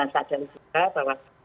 saya juga berwakil